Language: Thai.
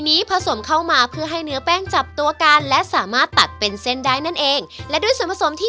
มีแค่แป้งโซบะกับแป้งสาลี